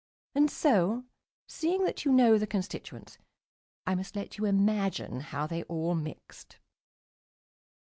And so, seeing that you know the constituents, I must let you imagine how they all mixed....